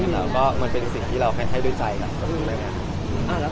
แล้วก็มันเป็นสิ่งที่เราให้ด้วยใจตรงนี้แหละครับ